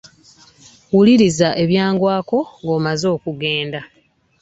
Wuliriza ebyangwako ng'omaze okugenda.